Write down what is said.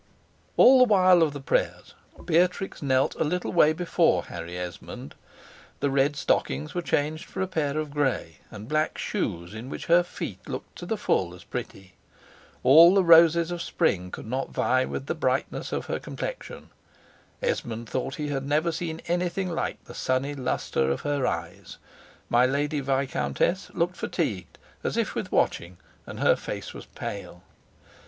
All the while of the prayers, Beatrix knelt a little way before Harry Esmond. The red stockings were changed for a pair of gray, and black shoes, in which her feet looked to the full as pretty. All the roses of spring could not vie with the brightness of her complexion; Esmond thought he had never seen anything like the sunny lustre of her eyes. My Lady Viscountess looked fatigued, as if with watching, and her face was pale.